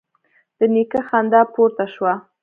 د نيکه خندا پورته شوه: